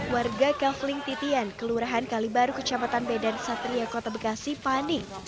warga kavling titian kelurahan kalibaru kecapatan b dan satria kota bekasi panik